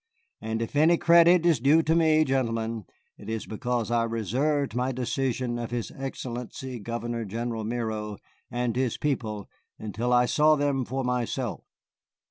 And if any credit is due to me, gentlemen, it is because I reserved my decision of his Excellency, Governor general Miro, and his people until I saw them for myself.